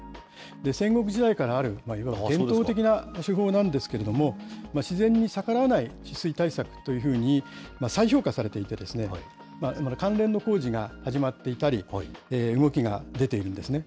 戦国時代からある、いわば伝統的な手法なんですけれども、自然に逆らわない治水対策というふうに、再評価されていて、また関連の工事が始まっていたり、動きが出ているんですね。